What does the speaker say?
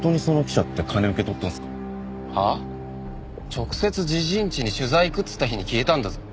直接ジジイんちに取材行くっつった日に消えたんだぞ？